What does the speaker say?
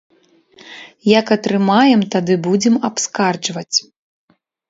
Як атрымаем, тады будзем абскарджваць.